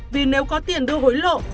vì nếu có tiền đưa hối lộ